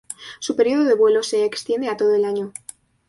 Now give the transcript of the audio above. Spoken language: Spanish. Su periodo de vuelo se extiende a todo el año.